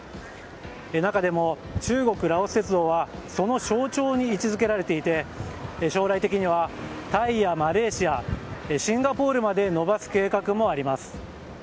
中でも中国ラオス鉄道はその象徴に位置づけられていて将来的にはタイやマレーシアシンガポールまで延ばす計画もあります。